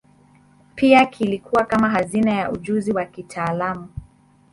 Pia kilikuwa kama hazina ya ujuzi wa kitaalamu.